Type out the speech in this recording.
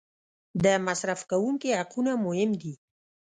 د مصرف کوونکي حقونه مهم دي.